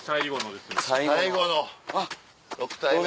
最後の６体目の。